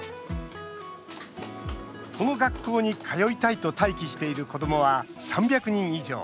この学校に通いたいと待機している子どもは３００人以上。